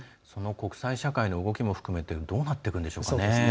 国際社会の動きも含めてどうなっていくんでしょうかね。